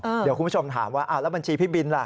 เดี๋ยวคุณผู้ชมถามว่าแล้วบัญชีพี่บินล่ะ